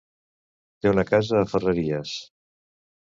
Té una casa a Ferreries.